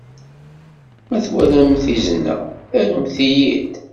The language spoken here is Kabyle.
Ma twalamt izen-a, arumt-iyi-d.